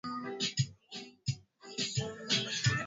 Uki penda kumu chokoza mama yangu wende urime pashipo ku mulomba